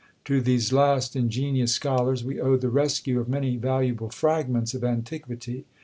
To these last ingenious scholars we owe the rescue of many valuable fragments of antiquity.